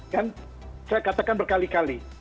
kan saya katakan berkali kali